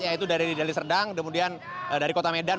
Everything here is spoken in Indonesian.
yaitu dari serdang kemudian dari kota medan